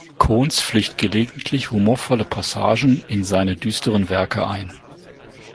Koontz flicht gelegentlich humorvolle Passagen in seine düsteren Werke ein.